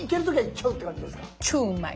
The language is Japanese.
超うまい。